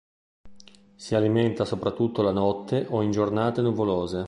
Si alimenta soprattutto la notte o in giornate nuvolose.